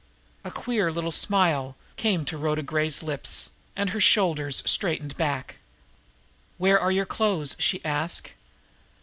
A queer little smile came to Rhoda Gray's lips, and her shoulders straightened back. "Where are your clothes?" she asked.